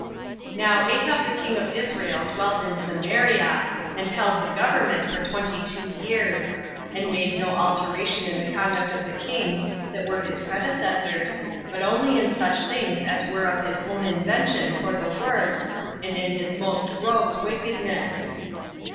1. Now Ahab the king of Israel dwelt in Samaria, and held the government for twenty two years; and made no alteration in the conduct of the kings that were his predecessors, but only in such things as were of his own invention for the worse, and in his most gross wickedness.